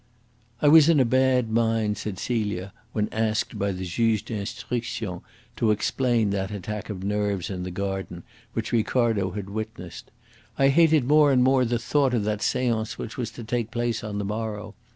"I was in a bad mind," said Celia, when asked by the Juge d'Instruction to explain that attack of nerves in the garden which Ricardo had witnessed. "I hated more and more the thought of the seance which was to take place on the morrow.